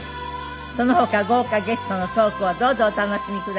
その他豪華ゲストのトークをどうぞお楽しみください。